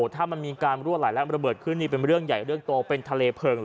ถ้ามันมีการรั่วไหลและระเบิดขึ้นนี่เป็นเรื่องใหญ่เรื่องโตเป็นทะเลเพลิง